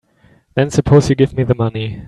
Then suppose you give me the money.